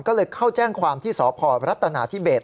ก็เลยเข้าแจ้งความที่สอบของรัฐนาที่เบส